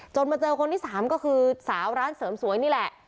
มาเจอคนที่สามก็คือสาวร้านเสริมสวยนี่แหละ